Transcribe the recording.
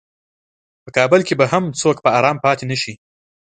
په کابل کې به هم څوک په ارام پاتې نشي.